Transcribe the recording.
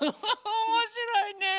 おもしろいね。